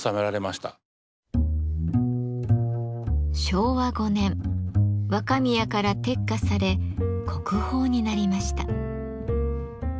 昭和５年若宮から撤下され国宝になりました。